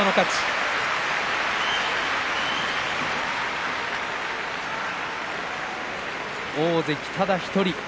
拍手大関ただ１人。